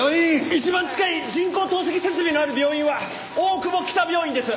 一番近い人工透析設備のある病院は大久保北病院です。